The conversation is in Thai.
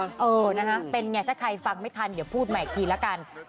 เออนะคะเป็นไงถ้าใครฟังไม่ทันเดี๋ยวพูดใหม่อีกทีละกัน